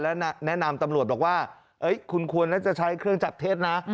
และแนะนำตำรวจบอกว่าคุณควรน่าจะใช้เครื่องจับเท็จนะ